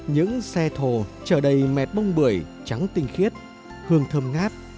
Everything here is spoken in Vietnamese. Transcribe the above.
những xe thồ trở đầy mẹp bông bưởi trắng tinh khiết hương thơm ngát